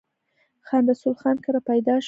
خان رسول خان کره پيدا شو ۔